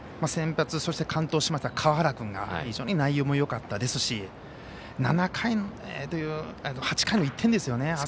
先発、そして完投した川原君が非常に内容もよかったですし８回の１点ですよね。